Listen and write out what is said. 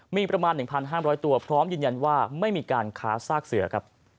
มีประมาณ๑๕๐๐ตัวพร้อมยืนยันว่าไม่มีการค้าซากเสือครับ